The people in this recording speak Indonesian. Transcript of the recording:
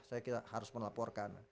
saya harus melaporkan